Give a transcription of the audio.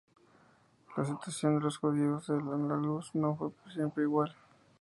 La situación de los judíos en Al-Ándalus no fue siempre igual.